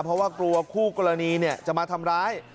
เพราะว่ากลัวคู่กรณีจะมาทำร้าย